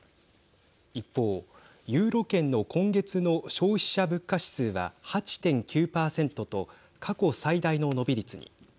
一方、ユーロ圏の今月の消費者物価指数は８．９％と過去最大の伸び率に。